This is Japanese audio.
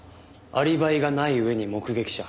アリバイがない上に目撃者。